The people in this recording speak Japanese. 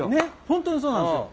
本当にそうなんですよ。